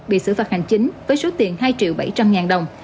bị xử phạt hành chính với số tiền hai triệu bảy trăm linh ngàn đồng